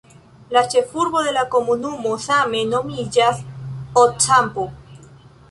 La ĉefurbo de la komunumo same nomiĝas "Ocampo".